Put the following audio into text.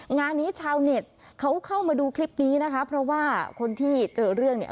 งานนี้ชาวเน็ตเขาเข้ามาดูคลิปนี้นะคะเพราะว่าคนที่เจอเรื่องเนี่ย